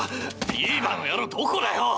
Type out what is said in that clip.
ビーバーの野郎どこだよ！